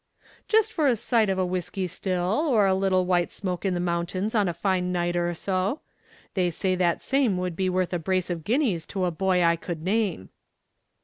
"Jist for a sight of a whiskey still, or a little white smoke in the mountains on a fine night or so. They say that same would be worth a brace of guineas to a boy I could name."